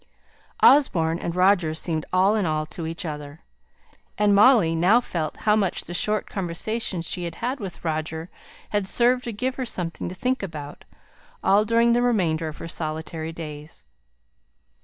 Osborne and Roger seemed all in all to each other; and Molly now felt how much the short conversations she had had with Roger had served to give her something to think about, all during the remainder of her solitary days.